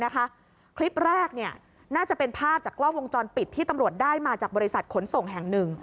คลิปแรกน่าจะเป็นภาพจากกล้องวงจรปิดที่ตำรวจได้มาจากบริษัทขนส่งแห่งหนึ่ง